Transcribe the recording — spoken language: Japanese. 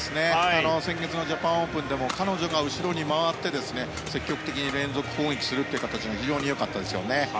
先月のジャパンオープンでも彼女が後ろに回って、積極的に連続攻撃するという形が非常に良かったですね。